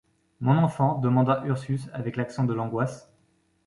Mon enfant, demanda Ursus avec l’accent de l’angoisse